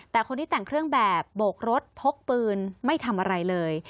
แต่คนที่แต่งเครื่องแบบโบกรถพกปืนไม่ทำอะไรเลย